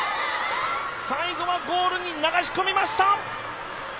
最後はゴールに流し込みました！